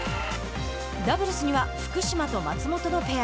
ダブルスには福島と松本のペア。